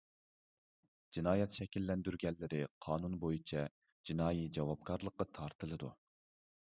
جىنايەت شەكىللەندۈرگەنلىرى قانۇن بويىچە جىنايى جاۋابكارلىققا تارتىلىدۇ.